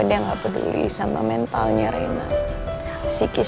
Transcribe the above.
dan brojol disini lagi